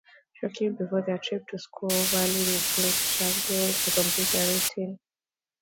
Shortly before their trip to Squaw Valley, they still struggled to complete their routine.